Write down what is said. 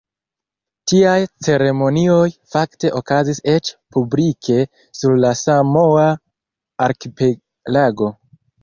Tiaj ceremonioj fakte okazis eĉ publike sur la Samoa-arkipelago.